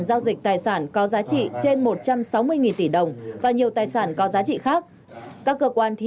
giao dịch tài sản có giá trị trên một trăm sáu mươi tỷ đồng và nhiều tài sản có giá trị khác các cơ quan thi